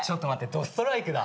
どストライクだ。